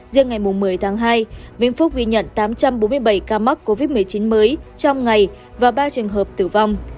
riêng ngày một mươi tháng hai vĩnh phúc ghi nhận tám trăm bốn mươi bảy ca mắc covid một mươi chín mới trong ngày và ba trường hợp tử vong